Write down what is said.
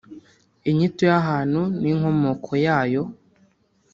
Inyito y’ahantu n’inkomoko yayo